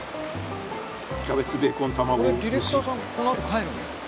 キャベツベーコン卵落とし？